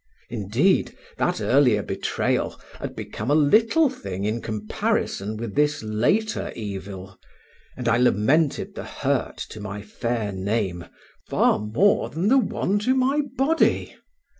Indeed that earlier betrayal had become a little thing in comparison with this later evil, and I lamented the hurt to my fair name far more than the one to my body.